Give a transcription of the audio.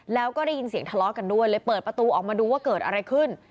แล้วก็ได้ยินเสียงทะเลาะกันด้วยเลยเปิดประตูออกมาดูว่าเกิดอะไรขึ้น